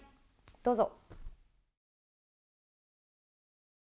どうぞ。